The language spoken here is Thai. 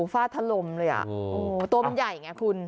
ฟ้าทะลมเลยอ่ะโอ้โหตัวมันใหญ่ไงคุณ